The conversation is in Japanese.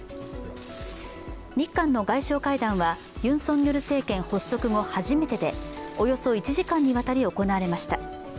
日韓の外相会談はユン・ソンニョル政権発足後初めてで、およそ時間にわたり行われました。